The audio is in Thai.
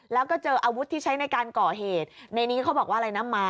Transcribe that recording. แล้วก็เจออาวุธที่ใช้ในการก่อเหตุในนี้เขาบอกว่าอะไรนะม้า